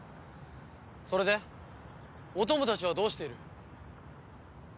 それでお供たちはどうしている？